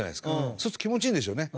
そうすると気持ちいいんでしょうね。